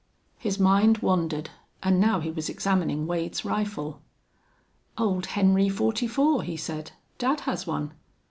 His mind wandered, and now he was examining Wade's rifle. "Old Henry forty four," he said. "Dad has one.